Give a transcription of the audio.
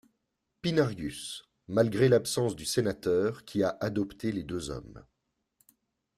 Pinarius, malgré l'absence du sénateur qui a adopté les deux hommes.